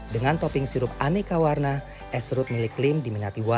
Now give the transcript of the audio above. dengan topping sirup aneka warna esrut milik lim diminatiwakan